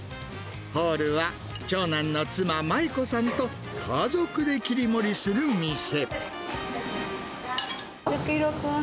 ホールは長男の妻、麻衣子さんと、家族で切り盛りする店。